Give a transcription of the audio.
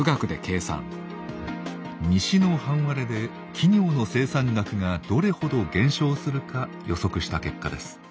西の半割れで企業の生産額がどれほど減少するか予測した結果です。